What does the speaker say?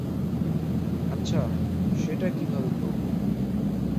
আচ্ছা, সেটা কীভাবে করবো?